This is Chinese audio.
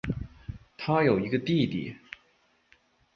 她有一个弟弟。